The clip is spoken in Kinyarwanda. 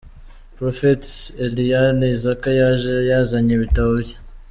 Prophetess Eliane Isaac yaje yazanye ibitabo bye,.